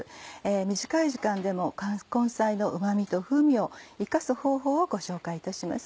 短い時間でも根菜のうま味と風味を生かす方法をご紹介いたします。